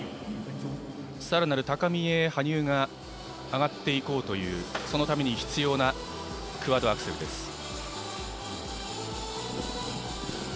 さらなる高みへ羽生が上がっていこうというそのために必要なクワッドアクセルです。